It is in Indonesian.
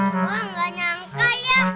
wah gak nyangka ya